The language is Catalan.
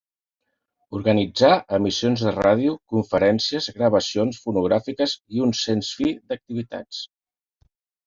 Organitzà emissions de ràdio, conferències, gravacions fonogràfiques i un sens fi d'activitats.